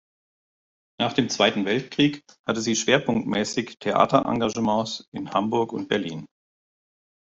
Nach dem Zweiten Weltkrieg hatte sie schwerpunktmäßig Theaterengagements in Hamburg und Berlin.